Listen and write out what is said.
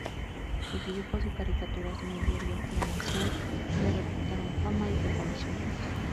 Sus dibujos y caricaturas en el diario "La Nación" le reportaron fama y reconocimiento.